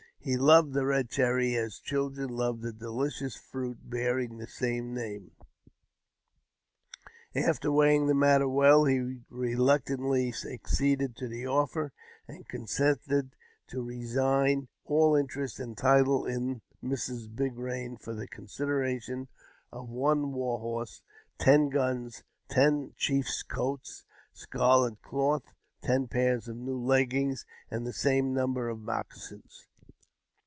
He loved the Eed Cherry as children love the delicious fruit bearing the same name. After weighing the matter well, he reluctantly acceded to the offer, and consented to resign all interest and title in Mrs. Big Eain for the consideration of one war horse, ten guns, ten chiefs' coats, scarlet cloth, ten pairs of new leg gings, and the same number of moccasins.